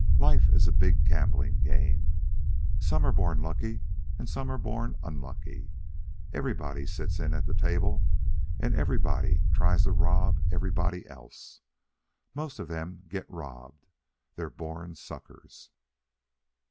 Life is a big gambling game. Some are born lucky and some are born unlucky. Everybody sits in at the table, and everybody tries to rob everybody else. Most of them get robbed. They're born suckers.